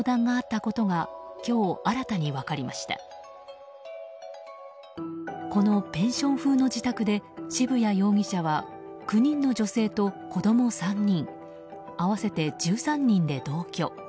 このペンション風の自宅で渋谷容疑者は９人の女性と子供３人合わせて１３人で同居。